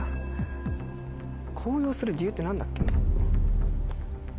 紅葉する理由って何だっけな？